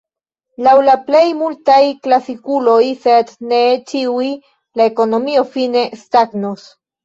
Laŭ la plej multaj klasikuloj, sed ne ĉiuj, la ekonomio fine stagnos.